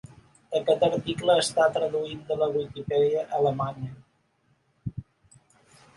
"Aquest article està traduït de la Wikipedia alemanya"